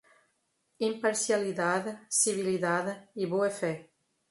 Imparcialidade, civilidade e boa-fé